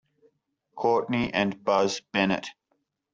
Courtney and Buzz Bennet.